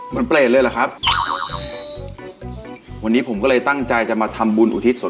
มันเปรตเลยเหรอครับวันนี้ผมก็เลยตั้งใจจะมาทำบุญอุทิศส่วน